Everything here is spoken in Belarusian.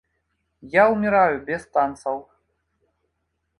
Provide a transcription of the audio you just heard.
Я ўміраю без танцаў.